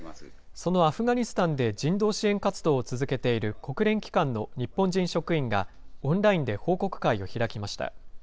そのアフガニスタンで人道支援活動を続けている国連機関の日本人職員が、オンラインで報告会を開きました。